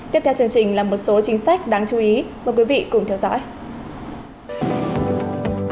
tiếp theo chương trình là một số chính sách đáng chú ý mời quý vị cùng theo dõi